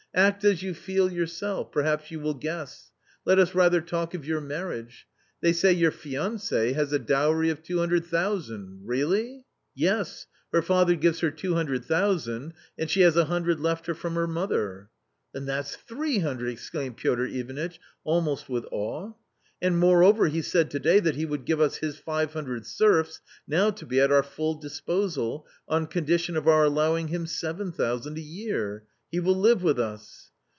Act as you feel yourself; perhaps you will guess. Let us rather talk of your marriage They say yourjlancie has a dowry of two hundred thousand —really!" " Yes ; her father gives her two hundred thousand, and she has a hundred left her from her mother." " Then that's three hundred !" exclaimed Piotr Ivanitch, almost with awe. " And moreover, he said to day that he would give us his five hundred serfs, now to be at our full disposal, on condition of our allowing him seven thousand a year. He will live with us."